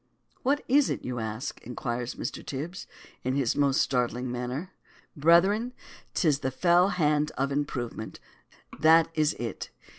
What is it, do you ask? inquires Mr. Tibs, in his most startling manner. Brethren, 'tis the fell hand of improvement. That is it.